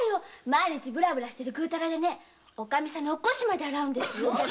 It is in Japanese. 毎日ブラブラしているグ−タラでねおかみさんのお腰まで洗うのよ。